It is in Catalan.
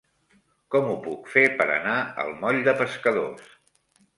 Com ho puc fer per anar al moll de Pescadors?